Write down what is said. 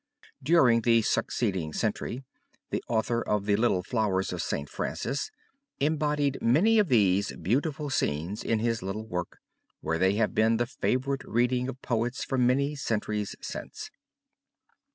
During the succeeding century, the author of the Little Flowers of St. Francis, embodied many of these beautiful scenes in his little work, where they have been the favorite reading of poets for many centuries since.